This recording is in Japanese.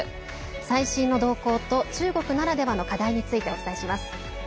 最新の動向と中国ならではの課題についてお伝えします。